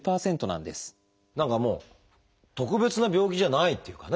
何かもう特別な病気じゃないっていうかね